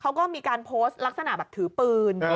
เขาก็มีการโพสต์ลักษณะแบบถือปืน